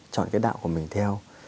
chọn cái đạo của mình theo